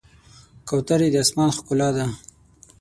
کوترې د آسمان ښکلا ده.